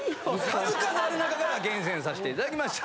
数々ある中から厳選させて頂きました。